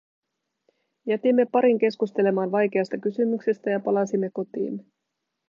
Jätimme parin keskustelemaan vaikeasta kysymyksestä, ja palasimme kotiimme.